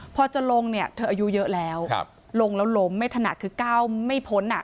พอจะลงเนี่ยเธออายุเยอะแล้วลงแล้วล้มไม่ถนัดคือก้าวไม่พ้นอ่ะ